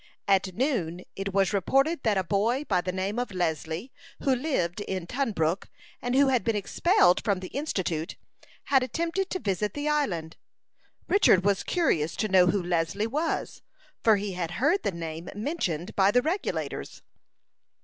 At noon it was reported that a boy by the name of Leslie, who lived in Tunbrook, and who had been expelled from the Institute, had attempted to visit the island. Richard was curious to know who Leslie was, for he had heard the name mentioned by the Regulators.